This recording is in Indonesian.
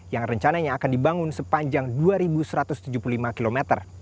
yang rencananya akan dibangun sepanjang dua satu ratus tujuh puluh lima km